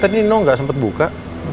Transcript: tadi nino nggak sempet buka